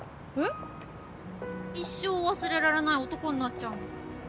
一生忘れられない男になっちゃうもん。